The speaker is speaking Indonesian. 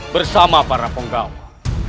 bersama para penggawa